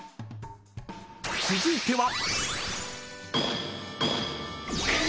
［続いては］